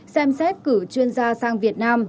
xem xét cử chuyên gia sang việt nam